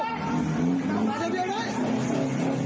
การดูจะเป็นประเทศ